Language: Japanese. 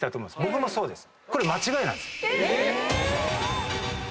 僕もそうです。